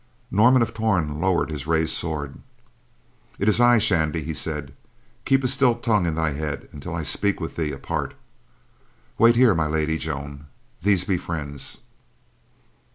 Norman of Torn lowered his raised sword. "It is I, Shandy," he said. "Keep a still tongue in thy head until I speak with thee apart. Wait here, My Lady Joan; these be friends."